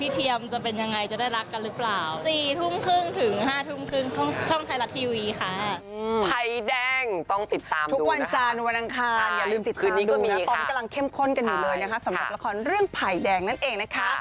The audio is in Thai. ตอนนี้ก็มีตอนนี้กำลังเข้มข้นกันอยู่เลยนะคะสำหรับละครเรื่องไผ่แดงนั่นเองนะคะ